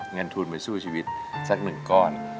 เงินทุนไปสู้ชีวิตสักหนึ่งก้อน